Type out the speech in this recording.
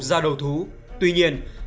ra đầu thú tuy nhiên